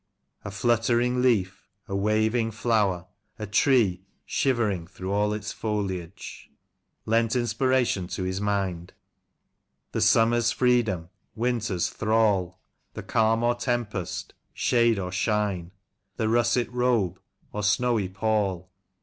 '* A fluttering leaf, a waving flower, a tree Shivering through all its foliage,'' lent inspiration to his mind. •* The summer's freedom, winter's thrall, The calm or tempest, shade or shine. The russet robe or snowy pall.